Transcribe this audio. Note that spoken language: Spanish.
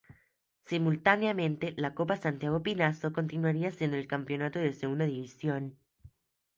Simultáneamente, la Copa Santiago Pinasco continuaría siendo el campeonato de segunda división.